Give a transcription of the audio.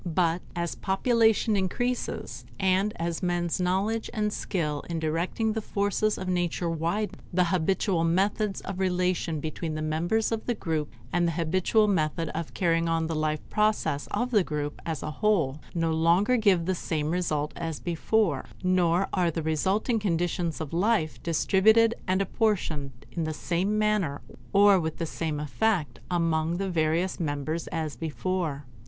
But as population increases, and as men's knowledge and skill in directing the forces of nature widen, the habitual methods of relation between the members of the group, and the habitual method of carrying on the life process of the group as a whole, no longer give the same result as before; nor are the resulting conditions of life distributed and apportioned in the same manner or with the same effect among the various members as before.